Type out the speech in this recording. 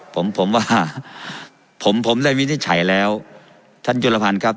ผมผมว่าผมผมได้วินิจฉัยแล้วท่านจุลภัณฑ์ครับ